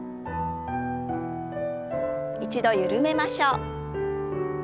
一度緩めましょう。